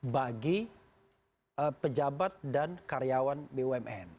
bagi pejabat dan karyawan bumn